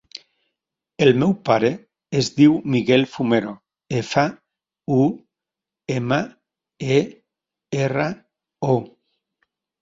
El meu pare es diu Miguel Fumero: efa, u, ema, e, erra, o.